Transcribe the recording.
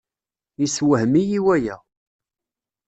Yessewhem-iyi waya.